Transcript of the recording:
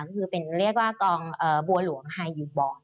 ก็คือเรียกว่ากองบัวหลวงฮายีวบอร์น